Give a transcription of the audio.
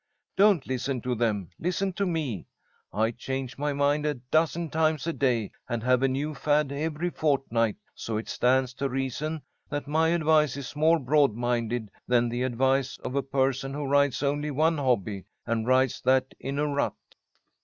Don't listen to them, listen to me. I change my mind a dozen times a day, and have a new fad every fortnight, so it stands to reason that my advice is more broad minded than the advice of a person who rides only one hobby, and rides that in a rut."